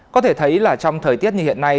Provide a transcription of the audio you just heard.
có thể thấy là trong thời tiết như hiện nay